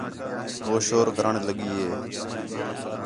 ہو شور کرݨ لڳی ہِے